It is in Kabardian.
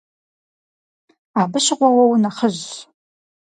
Абы щыгъуэ уэ унэхъыжьщ.